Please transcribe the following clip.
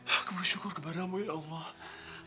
aku bersyukur kepadamu ya allah